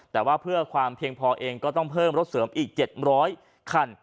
แต่ว่าเพื่อความเพียงพอเองก็ต้องเพิ่มรถเสริมอีก๗๐๐คัน